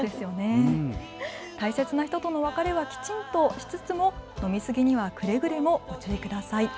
大切な人との別れはきちんとしつつも飲み過ぎにはくれぐれもご注意ください。